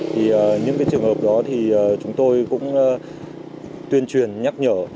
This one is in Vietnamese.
thì những cái trường hợp đó thì chúng tôi cũng tuyên truyền nhắc nhở